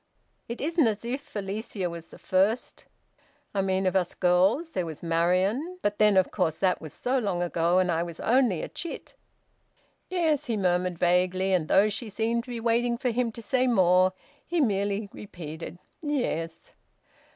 It isn't as if Alicia was the first I mean of us girls. There was Marian; but then, of course, that was so long ago, and I was only a chit." "Yes," he murmured vaguely; and though she seemed to be waiting for him to say more, he merely repeated, "Yes."